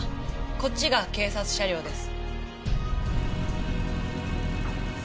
こっちが警察車両です。